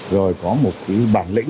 rồi có một cái bản lĩnh